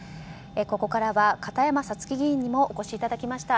ここからは片山さつき議員にもお越しいただきました。